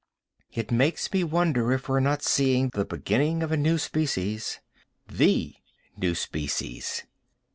It makes me wonder if we're not seeing the beginning of a new species. The new species.